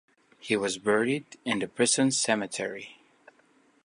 He was buried in the prison cemetery.